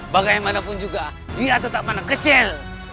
bagaimanapun juga dia tetap anak kecil